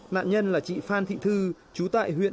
nạn nhân là chị phan thị thư chú tại huyện duy xuyên